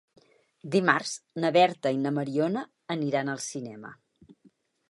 Dimarts na Berta i na Mariona aniran al cinema.